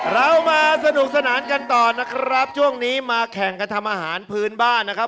เรามาสนุกสนานกันต่อนะครับช่วงนี้มาแข่งกันทำอาหารพื้นบ้านนะครับ